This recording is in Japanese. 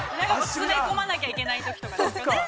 ◆詰め込まなきゃいけないときとかですかね。